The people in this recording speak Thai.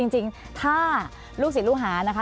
จริงถ้าลูกศิษย์ลูกหานะคะ